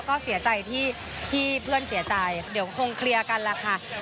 ก็เสียใจที่เพื่อนเสียใจเดี๋ยวคงเคลียร์กันแหละค่ะ